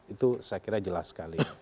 itu saya kira jelas sekali